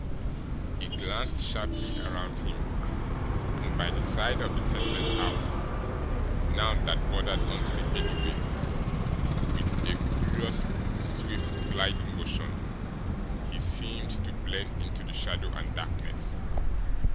He glanced sharply around him; and, by the side of the tenement house now that bordered on the alleyway, with a curious, swift, gliding motion, he seemed to blend into the shadow and darkness.